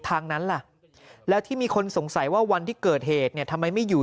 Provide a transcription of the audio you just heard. ทางนั้นล่ะแล้วที่มีคนสงสัยว่าวันที่เกิดเหตุเนี่ยทำไมไม่อยู่